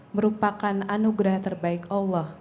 merupakan anugerah terbaik allah